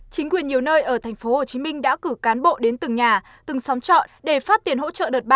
chính quyền nhiều nơi ở tp hcm đã cử cán bộ đến từng nhà từng xóm trọ để phát tiền hỗ trợ đợt ba